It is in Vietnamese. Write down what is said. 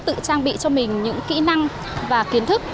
tự trang bị cho mình những kỹ năng và kiến thức